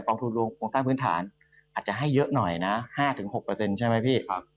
องทุนรวมโครงสร้างพื้นฐานอาจจะให้เยอะหน่อยนะ๕๖ใช่ไหมพี่